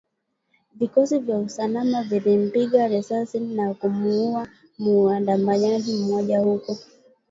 Vikosi vya usalama vilimpiga risasi na kumuuwa muandamanaji mmoja huko